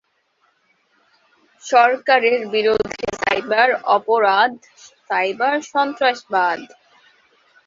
সরকারের বিরুদ্ধে সাইবার অপরাধ: সাইবার সন্ত্রাসবাদ।